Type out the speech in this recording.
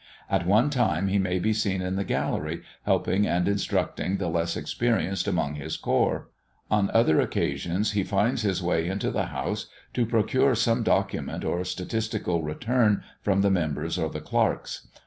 At one time he may be seen in the gallery, helping and instructing the less experienced among his corps; on other occasions, he finds his way into the House to procure some document or statistical return from the members or the clerks.